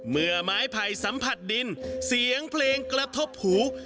เมื่อไม้ไผ่สัมผัสดินเสียงเพลงกระทบหู